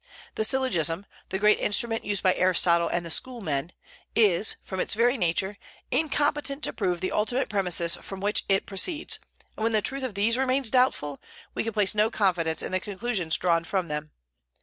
The syllogism, the great instrument used by Aristotle and the School men, "is, from its very nature, incompetent to prove the ultimate premises from which it proceeds; and when the truth of these remains doubtful, we can place no confidence in the conclusions drawn from them."